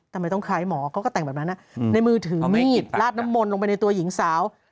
ทำไมต้องคล้ายหมอเขาก็แต่งแบบนั้นในมือถือมีดลาดน้ำมนต์ลงไปในตัวหญิงสาว